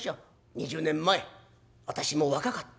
２０年前私も若かった。